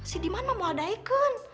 si diman mah mau ada ikun